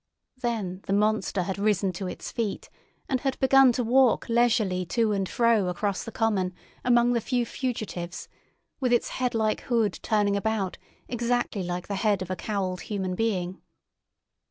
Then the monster had risen to its feet and had begun to walk leisurely to and fro across the common among the few fugitives, with its headlike hood turning about exactly like the head of a cowled human being.